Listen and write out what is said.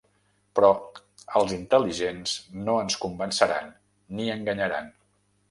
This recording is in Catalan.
Però als intel·ligents no ens convenceran ni enganyaran.